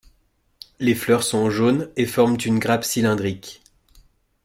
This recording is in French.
Les fleurs sont jaunes et forment une grappe cylindrique.